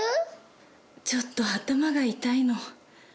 ちょっと頭が痛いの。